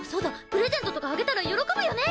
プレゼントとかあげたら喜ぶよね？